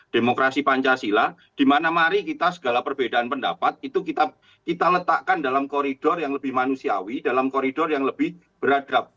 demokrasi pancasila di mana mari kita segala perbedaan pendapat itu kita letakkan dalam koridor yang lebih manusiawi dalam koridor yang lebih beradab